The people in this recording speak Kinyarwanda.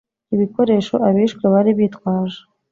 ibikoresho abishwe bari bitwaje